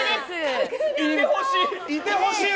いてほしい！